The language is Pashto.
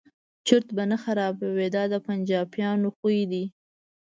چرت به نه خرابوي دا د پنجابیانو خوی دی.